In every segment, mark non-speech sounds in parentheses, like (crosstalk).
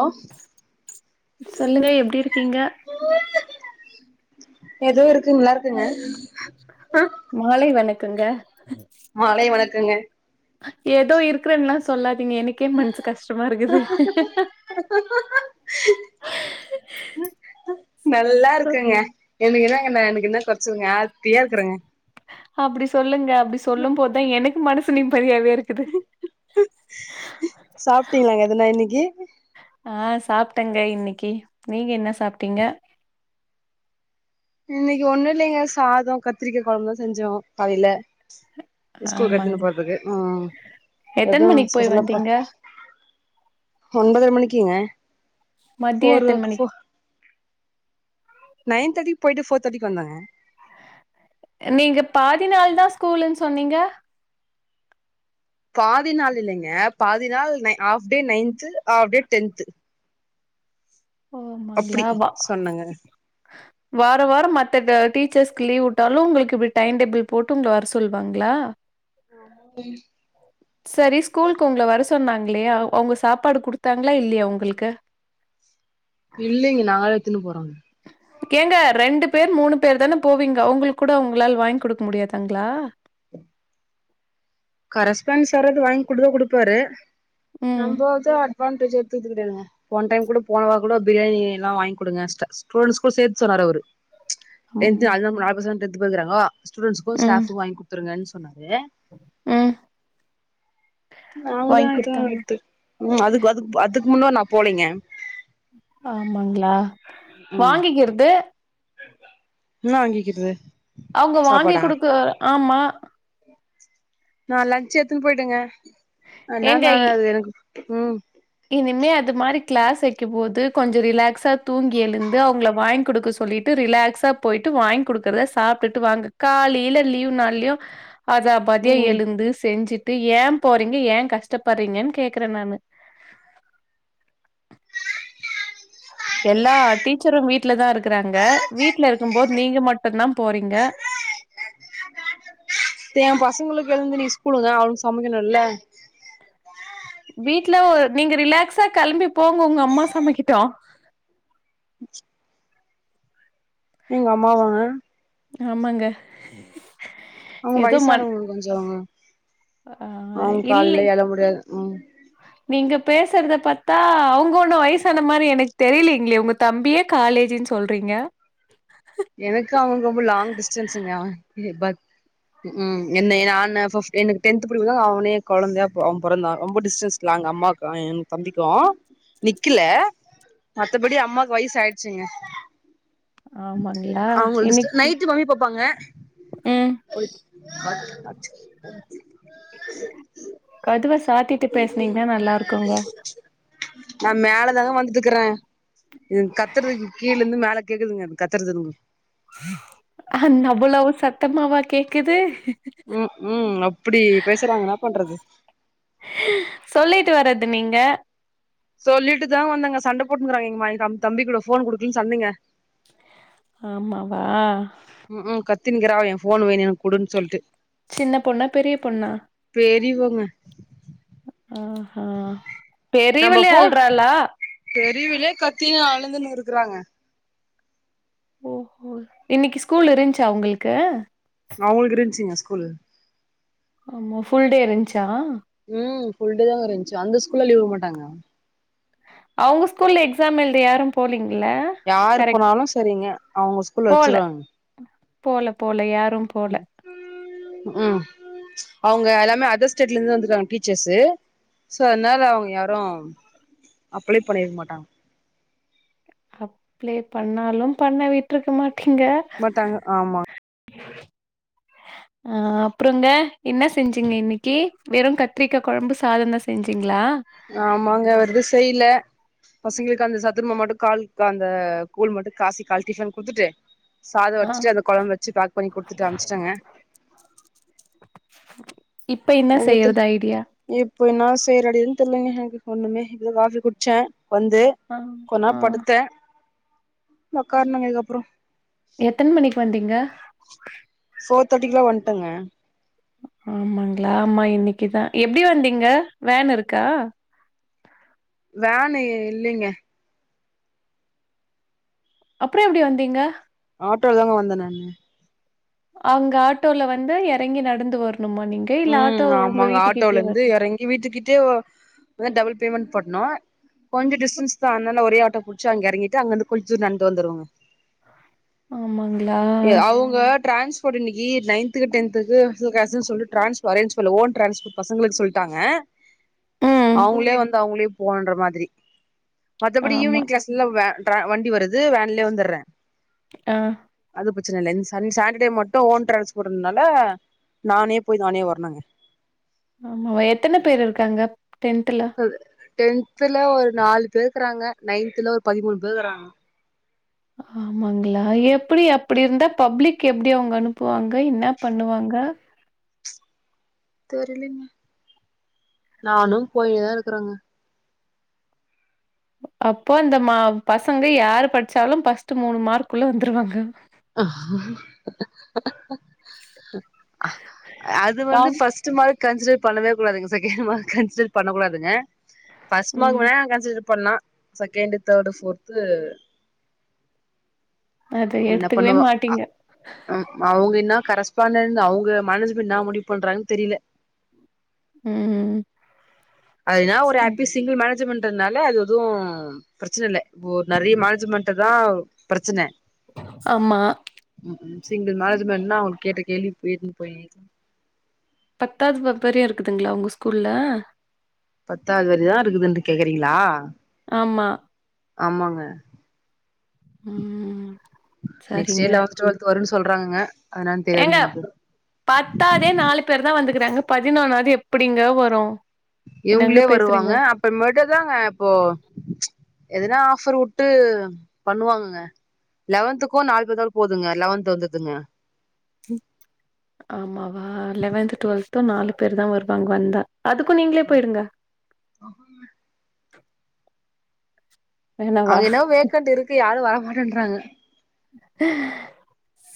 அ சொல்லுங்க எப்டி இருக்கீங்க ஏதோ இருக்குங் நல்லா இருக்குங்க மாலை வணக்கங்க மாலை வணக்கங்க ஏதோ இருக்குறன்னுலா சொல்லாதீங்க எனக்கே மனசு கஷ்டமா இருக்குது நல்லா இருக்கேங்க எனக்கு என்னங்க எனக்கு என்ன கொறச்சலுங்க ஹாப்பியா இருக்குறேங்க அப்டி சொல்லுங்க அப்டி சொல்லும் போதுதா எனக்கு மனசு நிம்மதியாவே இருக்குது சாப்ட்டீங்களாங்க எதுனா இன்னக்கி ஆ சாப்ட்டேங்க இன்னக்கி நீங்க என்ன சாப்ட்டீங்க இன்னக்கி ஒண்ணு இல்லங்க சாதோ கத்திரிக்கா கொழம்புதா செஞ்சோ காலேல ஸ்கூல்க்கு கட்டின்னு ஆமாங்க போறதுக்கு ம் எத்தன எதுவு மணிக்கு போய் ஸ்பெஷலா வந்தீங்க ஒன்பதர மணிக்குங்க மத்ய ஃபோர் எத்தன மணிக் நயன் தேட்டிக்கு போயிட்டு ஃபோர் தேட்டிக்கி வந்தேங்க நீங்க பாதி நாள்தா ஸ்கூல்ன்னு சொன்னீங்க பாதி நாள் இல்லைங்க பாதி நாள் half day ninth half day tenth அப்டி ஓமங்களாவா சொன்னங்க வார வாரோ மத்த டீச்சர்ஸ்க்கு லீவ் விட்டாலு உங்களுக்கு இப்டி டைம் டேபிள் போட்டு உங்கள வர சொல்லுவாங்களா ஆமா ம் சரி ஸ்கூலுக்கு உங்கள வர சொன்னாங்களே அவுங்க சாப்பாடு குடுத்தாங்களா இல்லையா உங்களுக்கு இல்லிங்க நாங்கதா எத்துன்னு போறோ ஏங்க ரெண்டு பேர் மூணு பேர் தான போவீங்க அவுங்களுக்கு கூட அவுங்களால வாங்கி குடுக்க முடியாதாங்களா கரஸ்பாண்ட் சாராது வாங்கி குடுத்தா குடுப்பாரு ம். நம்ப எதுவு அட்வான்டேஜ் எடுத்துத்துகிது கெடையாதுங்க போன டைம் கூட போனவாரோ கூட பிரியாணி எல்லா வாங்கி குடுங்க ஸ்டூடண்ட்ஸ்க்கு சேத்து சொன்னாரு அவரு டென்த் ம். நாலுதா நாலு பசங்க தான டென்த் படிக்கிறாங்க ஸ்டுடென்ட்ஸ்க்கு ம். ஸ்டாஃப்க்கு வாங்கி குடுத்துருங்கன்னு சொன்னாரு ம். நாங்கதா வாங்கி இதா குடுத்தாங்க. எத்து ம் அதுக் அதுக் அதுக்கு முன்னா நா போலைங்க ஆமாங்களா ம் வாங்கிக்கிறது என்ன வாங்கிக்கிறது அவுங்க வாங்கி சாப்பாடா குடுக்க ஆமா நா லன்ச் எத்துன்னு போயிட்டேங்க ஆனா ஏங்க இ நானு அது எனக்கு ம் இனிமே அது மாரி கிளாஸ் வைக்கும் போது கொஞ்சோ ரிலாக்ஸா தூங்கி எழுந்து அவுங்கள வாங்க குடுக்க சொல்லிட்டு ரிலாக்ஸா போயிட்டு வாங்கி குடுக்குறத சாப்ட்டுட்டு வாங்க காலேல லீவ் நாள்லயு அதாபதியா ம் எழுந்து செஞ்சிட்டு ஏ போறீங்க ஏ கஷ்டப்படுறீங்கன்னு கேக்குறே நானு எல்லா டீச்சரு வீட்லதா இருக்கறாங்க வீட்ல இருக்கும் போது நீங்க மட்டுந்தா போறீங்க அடுத்து ஏ பசங்களுக்கு எழுந்து இன்னக்கி ஸ்கூலுங்க அவனுக்கு சமைக்கணும்ல்ல வீட்ல நீங்க ரிலாக்ஸா கெளம்பி போங்க உங்க அம்மா சமைக்கட்டு எங்க அம்மாவாங்க ஆமாங்க அவுங்க ஏதோ மன் வயசானவங்க கொஞ்சோ அவுங்க ஆ அவுங்க இல்லை. கால்ல எழ முடியாது ம் நீங்க பேசறத பாத்தா அவுங்க ஒண்ணு வயசான மாரி எனக்கு தெரியலங்களே உங்க தம்பியே காலேஜின்னு சொல்றீங்க எனக்கு அவனுக்கு ரொம்ப லாங் டிஸ்டன்ஸுங்க அவே பத் ம் என்ன ஏ நானு ஃபிஃப் எனக்கு டென்த் படிக்கும் போது அவனே கொழந்தையா அவே பொறந்தா ரொம்ப டிஸ்டன்ஸ் க்கலா எங்க அம்மாவுக்கு என் தம்பிக்கு நிக்கல மத்தபடி அம்மாக்கு வயசு ஆயிடுச்சுங்க ஆமாங்களா அவங்கள டிஸ்ட இன்னைக்கு நைட்டு மாம்மி பாப்பாங்க ம் (unintelligible) கதுவ சாத்திட்டு பேசுனீங்கன்னா நல்லா இருக்குங்க நா மேலதாங்க வந்துட்டுக்கறே இதுங்க கத்துறது கீழ இருந்து மேல கேக்குதுங்க அது கத்துறதுங் அ அவ்வளவு சத்தமாவா கேக்குது ம் ம் அப்படி பேசுறாங்க என்ன பண்றது சொல்லிட்டு வர்றது நீங்க சொல்லிட்டுதா வந்தங்க சண்டபோட்டுங்கறாங்க எங் எங்க தம்பிகூட ஃபோன் குடுக்கலனு சண்டைங்க ஆமா வா ம் ம் கத்தினுங்கிறா என் ஃபோன் வேணு எனக்கு குடுன்னு சொல்ட்டு சின்ன பொண்ணா பெரிய பொண்ணா பெரிவோங்க ம் ஹும் நம்ப போர் தெருவிலே கத்தினு அழுந்துன்னு இருக்குறாங்க ஓஹோ இன்னைக்கு ஸ்கூல் இருந்துச்சா உங்ளுக்கு அவங்களுக்கு இருந்துச்சிங்க ஃஸ்கூலு ஆமா ஃபுல் டே இருந்துச்சா ம் ஃபுல் டே தாங்க இருந்துச்சு அந்த ஸ்கூல்ல லீவு விட மாட்டாங்க அவங்க ஸ்கூல்ல எக்ஸாம் எழுத யாரும் போலீங்கள யாரு கரெக்ட் போனாலு சரிங்க அவங்க ஸ்கூல்ல போல வச்சிருவாங்க போல போல யாரு ம், ம் அவங்க எல்லாமே அதர் ஸ்டேட்ல இருந்து வந்திருக்காங்க டீச்சர்ஸ் சோ அதனால அவங்க யாரும் அப்ளை பண்ணி இருக்க மாட்டாங்க அப்ளே பண்ணாலும் பண்ண விட்டுருக்க மாட்டிங்க பட் அங்க ஆமா அ அப்புறங்க என்ன செஞ்சீங்க இன்னிக்கு வெறும் கத்திரிக்கா கொழம்பு சாதந்தா செஞ்சிங்ளா ஆமாங்க வேறெது செய்ல பசங்களுக்கு அந்த சத்துமா மட்டு கால் அந்த கூழ் மட்டு காசி கால் டிஃபன் குடுத்துட்டு சாதோ ஆ வட்சிட்டு அந்த கொழம்பு வச்சு பேக் பண்ணி குடுத்துட்டு அம்பிச்சுட்டங்க இப்ப என்ன செய்யறதா ஐடியா இப்போ என்ன செய்றடின் தெரிலங்க எனக்கு ஒண்ணுமே இப்ப காஃபி குட்ச்சே வந்து ஆ ஆ கொஞ்சநேரோ படுத்தே ஒக்காரனுங்க இதுக்கு அப்பறோ எத்தன மணிக்கு வந்தீங்க ஃபோர் தேர்ட்டிக்குல வந்துட்டங்க ஆமாங்களா ஆமா இன்னைக்குதா எப்டி வந்தீங்க வேன் இருக்கா வேனு இல்லைங்க அப்பறோ எப்டி வந்தீங்க ஆட்டோலதாங்க வந்தே நானு அங்க ஆட்டோல வந்து எறங்கி நடந்து வரணுமா நீங்க இல்ல ஆட்டோ உங்க வீட்டுக்கிட்டயே வரு எ வீட்டுக்கிட்டே வ அதா டபுள் பேமெண்ட் பண்ணனு கொஞ்ச டிஸ்டன்ஸ்க்கு அந்தான்ட ஒரே ஆட்டோ புடிச்சு அங்க ஏறங்கிட்டு அங்கந்து கொஞ்ச தூரோ நடந்து வந்துருவங்க ஆமாங்களா? இது அவங்க டிரான்ஸ் போர்ட் இன்னைக்கி நையன்த்க்கு டென்த்துக்கு ஸ்பெஷல் கிளாஸ்னு சொல்லி டிரான்ஸ் அரேஞ்ச் பண்ணல ஓன் ட்ரான்ஸ்னு பசங்களுக்கு சொல்ட்டங்க ம். அவங்களே வந்து அவங்களே போனுன்ற மாதிரி மத்தபடி ஆமா. ஈவினிங் கிளாஸ்ல்லலா வே டிரா வண்டி வருது வேன்லயே வந்துட்றே ஆ அது பிரச்சன இல்ல இந்த சனி சாட்டர்டே மட்டு ஓன் டிரான்ஸ்போர்ட்டுன்றனால நானே போய் நானே வரனுங்க ஆமாவா எத்தன பேர் இருக்காங்க டென்த்ல அது டென்த்துல ஒரு நாலு பேருக்கிறாங்க நைன்த்ல ஒரு பதிமூணு பேரு இருக்கிறாங்க ஆமாங்களா எப்டி அப்படி இருந்தா பப்ளிக் எப்டி அவங்க அனுப்புவாங்க என்ன பண்ணுவாங்க தெரிலைங்க நானு போயினுதா இருக்கறங்க அப்போ அந்த மா பசங்க யாரு படிச்சாலு ஃபஸ்ர்ட் மூணு மார்க்குள்ள வந்துருவாங்க அது வந்து காம் ஃபஸ் ட் மார்க் கன்சிடர் பண்ணவே கூடாதுங்க செகண்ட் மார்க் கன்சிடர் பண்ணக்கூடாதுங்க ஃபஸ்ட் மார்க் ம். வேணா கன்சிடர் பண்லா செகண்டு தேர்டு ஃபோர்த்து அத என்ன எடுத்துக்கவே பண்ணுவா ஆ மாட்டீங்க. ஆ அவுங்க என்ன கரஸ்பாண்டட் அவுங்க மேனேஜ்மெண்ட் என்ன முடிவு பண்றாங்கன் தெரில ம் அதுனா ஒரு சரி. ஹாப்பி சிங்கிள் மேனேஜ்மெண்ட்டுனாலே அது எதுவு பிரச்சன இல்ல இப்போ நெறைய மேனேஜ்மெண்டு தா பிரச்சன ஆமா ம் சிங்கிள் மேனஜமெண்ட்னா அவுங்க கேட்ட கேள்விக் (unintelligible) போயி பத்தாவது ப வரியு இருக்குதுங்களா உங்க ஸ்கூல்ல பத்தாவது வரியு தா இருக்குதுன்னு கேக்குறீங்களா ஆமா ஆமாங்க ம். நெக்ஸ்ட் சரிங்க. லெவன்த் டுவெல்த் து வருன்னு சொல்றாங்கங்க அது என்னான்னு ஏங்க தெரியாதுங்க எனக்கு பத்தாதே நாலு பேர் தா வந்துக்கறாங்க பதினொன்னாவது எப்டிங்க வரு இவுங்களே வருவாங்க இப்ப மட்ட தாங்க இப்போ எதுனா ஆஃபர் விட்டு பண்ணுவாங்கங்க லெவன்த்துக்கு நாலு பேர் இருந்தா போதுங்க லெவன்த் வந்துதுங்க ஆமாவா லெவன்த் டுவெல்த்து நாலு பேர் தா வருவாங்க வந்தா அதுக்கு நீங்களே போயிருங்க ஆ வேணாவா? அங்க என்னவோ வேக்கண்ட் இருக்கு யாரு வரமாட்டன்றாங்க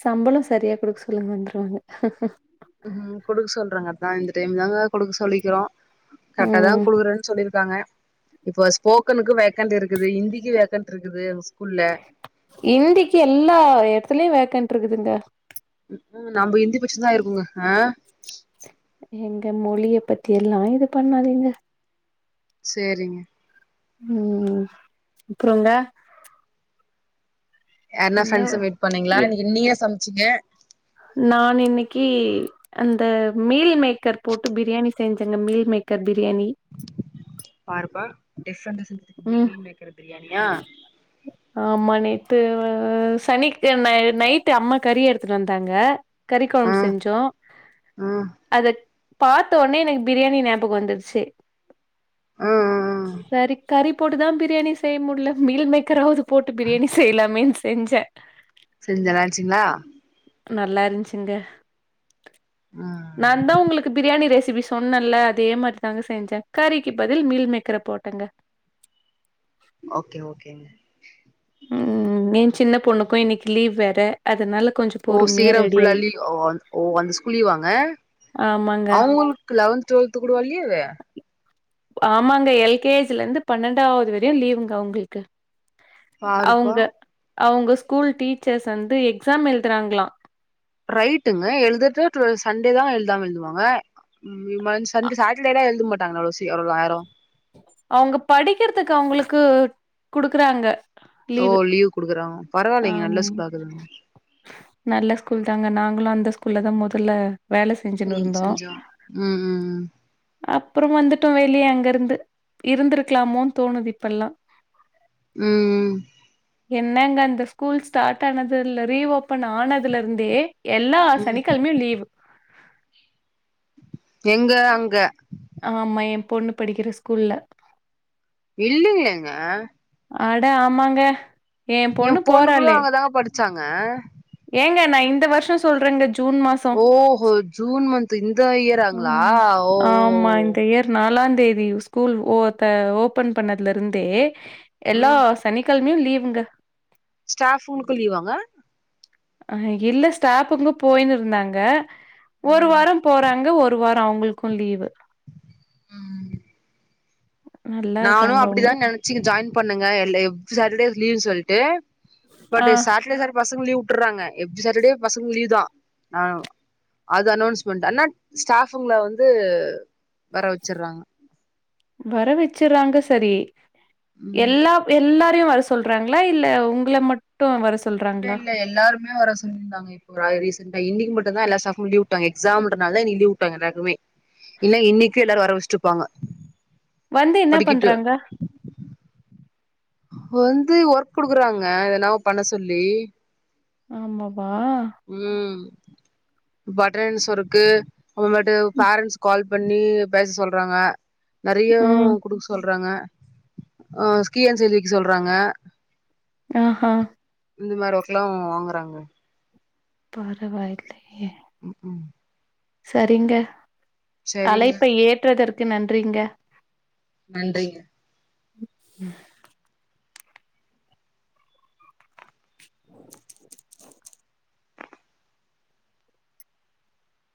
சம்பள சரியா குடுக்க சொல்லுங்க வந்துருவாங்க ம் குடுக்க சொல்றாங்கதா அதா இந்த டைம் தாங்க குடுக்க சொல்லிக்கிறோ கரெக்ட்டா தா ம். குடுக்குறேன்னு சொல்லிருக்காங்க இப்போ ஸ்போக்கனுக்கு வேக்கண்ட் இருக்குது ஹிந்திக்கு வேக்கண்ட் இருக்குது ஸ்கூல்ல ஹிந்திக்கு எல்லா எடத்துலயு வேக்கன்ட்டு இருக்குதுங்க ம் ஹு நம்ப இந்தி படிச்சிருந்தா ஆயிருக்கோங்க ஆ எங்க மொழிய பத்தி எல்லா இது பண்ணாதீங்க சேரிங்க ம் அப்புறங்க என்னா ஃப்ரெண்ட்ஸ என்ன மீட் பண்ணீங்களா இன்னக் நீயா சமைச்சுங்க நான் இன்னைக்கு அந்த மீல் மேக்கர் போட்டு பிரியாணி செஞ்சேங்க மீல் மேக்கர் பிரியாணி பாருப்பா டிஃப்ரெண்டா செஞ்சுருக்கீங்க ம் மீல் மேக்கர் பிரியாணியா ஆமா நைட்டு சனிக்கு ந நைட்டு அம்மா கறி எடுத்துட்டு வந்தாங்க கறி கொழம்பு ஆ செஞ்சோ ஆ ஆ அத பாத்தவொன்னே எனக்கு பிரியாணி ஞாபகம் வந்துருச்சு ஆ ஆ. சரி கறி போட்டுதா பிரியாணி செய்ய முடில மீல் மேக்கராாவது போட்டு பிரியாணி செய்யலாமேனு செஞ்ச செஞ்சு நல்லாருச்சுங்களா நல்லா இருந்துச்சிங்க நான் ம் தா உங்களுக்கு பிரியாணி ரெசிபிஸ் சொன்னல்ல அதே மாரி தாங்க செஞ்ச கறிக்கு பதில் மீல் மேக்கர போட்டேங்க ஓகே ஓகேங்க ம் என் சின்ன பொண்ணுக்கும் இனைக்கு லீவ் வேற அதுனால கொஞ்ச ஓ சேரம் ஃபுல்லா லீவ் ஓ அந்த ஸ்கூல் லீவாங்க ஆமாங்க அவங்களுக்கு லெவன்த் டுவல்து கூடவா லீவு ஆமாங்க எல்கேஜ்ல இருந்து பன்னெண்டாவது வரையு லீவுங்க அவுங்களுக்கு பாருப்பா அவுங்க அவுங்க ஸ்கூல் டீச்சர்ஸ் வந்து எக்ஸாம் எழுதுறாங்களா ரைட்டுங்க எழுதுட்டு டுவல் சண்டே தா எழுதாம எழுதுவாங்க ம் மன் அ சண்டே சாட்டர்டேலா எழுத மாட்டாங்கல்லா அவ்ள சீ ஆயிரோ அவுங்க படிக்கிறதுக்கு அவுங்களுக்கு குடுக்குறாங்க ஓ லீவு. லீவ் குடுக்குறாங் பரவாயில்லைங்க நல்ல ஆம். ஸ்கூல் ஆகுதுங்க நல்ல ஸ்கூல் தாங்க நாங்களு அந்த ஸ்கூல்ல தா மொதல்ல வேல செ ம் செஞ்சோ ம் ம் ம் அப்புறோ வந்துட்டோ வெளிய அங்க இருந்து இருந்திருக்கலாமோனு தோணுது இப்ப எல்லா ம் ம் என்னங்க அந்த ஸ்கூல் ஸ்டார்ட் ஆனதுல ரீஓபன் ஆனதுலருந்தே எல்லா ம் சனிக்கிழமையு லீவு எங்க அங்க ஆமா எ பொண்ணு படிக்கிற ஸ்கூல்ல இல்லையேங்க ஆட ஆமாங்க எ பொண்ணு போறாளே சங்க ஏங்க நா இந்த வருஷோ சொல்றேங்க ஜூன் மாச ஓஹோ ஜூன் மந்த் இந்த இயர் ஆங்களா ம் ஓஓ ஆமா இந்த இயர் நாலாந் தேதி ஸ்கூல் ஓ ஓபன் பண்ணதுல இருந்தே எல்லா ம் சனிக்கிழமையு லீவுங்க ஸ்டாஃப்ங்ளுக்கு லீவாங்க அ இல்ல ஸ்டாஃப்புங்க போய்ன்னு இருந்தாங்க ஒரு ம் வாரம் போறாங்க ஒரு வாரம் அவுங்களுக்கு லீவு ம் நல்லா நானு இருக்காங்க அவங்க அப்டிதா நென் சிக்கிட்டு ஜாய்ன் பண்ணங்க எவ்ரி சாட்டர்டே சொல்ட்டு ஆ பட் சாட்டர்டே ச பசங்க லீ்வ் விட்றாங்க எவ்ரி சாட்டர்டே பசங்க லீவ் தா ஆ அது அனௌன்ஸ்மெண்ட் ஆனா ஸ்டாஃபுங்கல வந்து வர வச்சட்றாங்க வர வச்சுறாங்க சரி ம் எல்லா எல்லாரையு வர சொல்றாங்களா இல்ல உங்கள மட்டு வர சொ இல்ல இல்ல எல்லாருமே வர சொல்லியிருந்தாங்க இப் ரீசண்டா இன்னைக்கு மட்டு தா எல்லா ஸ்டாஃப்புக்கு லீவுட்டாங் எக்ஸாம்ன்றனாலதா இன்னைக்கு லீவுட்டாங்க எல்லாருக்குமே இல்ல இன்னைக்கு எல்லாரு வர வச்சிட்டுருப்பாங்க வந்து என்ன பண்றாங்க வந்து ஒர்க் குடுக்குறாங்க அதென்னவோ பண்ண சொல்லி ஆமாவா ம் பட்டரன்ஸ் ஒர்க்கு அப்ரோமேட்டு பேரண்ட்ஸ் கால் பண்ணி பேச சொல்றாங்க நெறைய ம். குடுக்க சொல்றாங்க கீஆன்ஸ் எழுதி வக்க சொல்றாங்க ஆஹ இந்த மாரி ஒர்க்கல்லா வாங்குறாங்க பரவாயில்லயே ம் சரிங்க சரிங்க அழைப்ப ஏற்றதற்கு நன்றிங்க நன்றிங்க